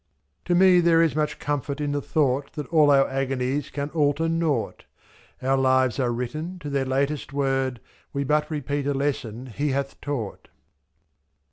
To me there is much comfort in the thought That all our agonies can alter nought, ^^.Our lives are written to their latest word. We but repeat a lesson He hath taught.